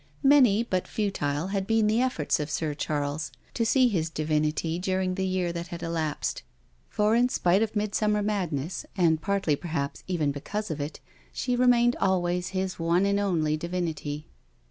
Many, but futile, had been the efforts of Sir Charles to see his divinity during the year that had elapsed. For in spite of midsummer madness, and partly perhaps, even because of it, she remained always his one and only divinity.